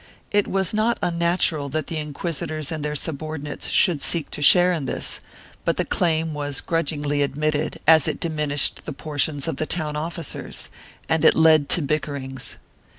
It was not unnatural that the inquisitors and their subor dinates should seek to share in this, but the claim was grudgingly admitted, as it diminished the portions of the town officers, and it led to bickerings.